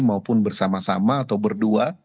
maupun bersama sama atau berdua